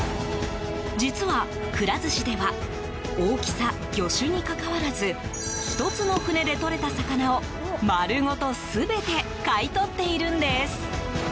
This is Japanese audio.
実は、くら寿司では大きさ、魚種にかかわらず１つの船でとれた魚を丸ごと全て買い取っているんです。